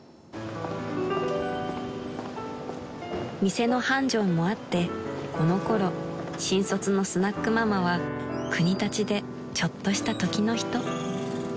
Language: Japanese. ［店の繁盛もあってこのころ新卒のスナックママは国立でちょっとした時の人］